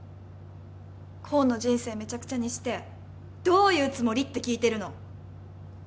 功の人生めちゃくちゃにしてどういうつもりって聞いてるの！